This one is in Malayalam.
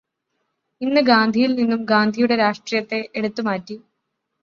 ഇന്ന് ഗാന്ധിയില് നിന്നും ഗാന്ധിയുടെ രാഷ്ട്രീയത്തെ എടുത്തു മാറ്റി